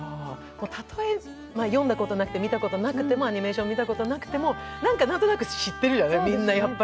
たとえ、読んだことなくても、アニメーションを見たことなくても何となく知ってるよね、みんな。